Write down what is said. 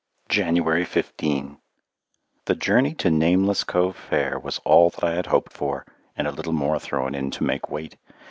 January 15 The journey to Nameless Cove Fair was all that I had hoped for and a little more thrown in to make weight.